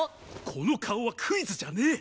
この顔はクイズじゃねえ！